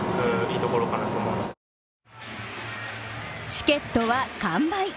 チケットは完売。